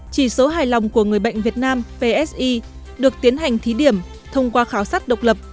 chỉ số hài lòng của người bệnh việt nam psi được tiến hành thí điểm thông qua khảo sát độc lập